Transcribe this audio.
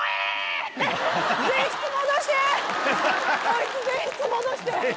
あいつ前室戻して！